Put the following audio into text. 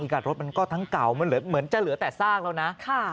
กับรถมันก็ทั้งเก่ามันเหมือนจะเหลือแต่ซากแล้วนะ